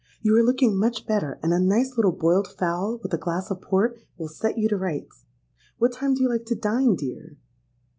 You are looking much better; and a nice little boiled fowl, with a glass of Port, will set you to rights. What time do you like to dine, dear?'